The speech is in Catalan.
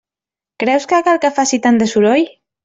Creus que cal que faci tant de soroll?